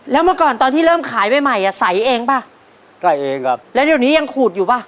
แล้วตอนนี้ยังขูดอยู่ป่ะ